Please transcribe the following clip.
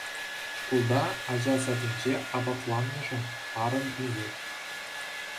Шкулта, ача садӗнче апатланнӑшӑн парӑм ӳсет.